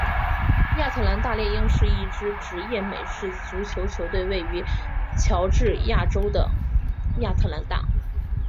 亚特兰大猎鹰是一支职业美式足球球队位于乔治亚州的亚特兰大。